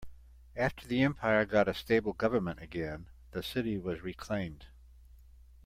After the empire got a stable government again, the city was reclaimed.